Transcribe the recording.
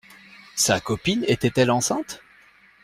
Sa copine était-elle enceinte?